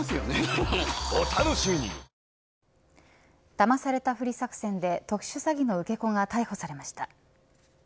だまされたふり作戦で特殊詐欺の受け子が逮捕されました。